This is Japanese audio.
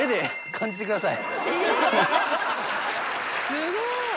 すごい！